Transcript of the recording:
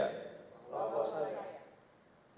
untuk diangkat menjadi duta besar luar biasa dan berkuasa penuh